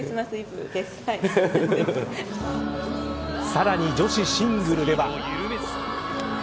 さらに女子シングルでは。